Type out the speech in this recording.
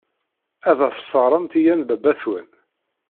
Ad as-teɣremt i yanbaba-twent.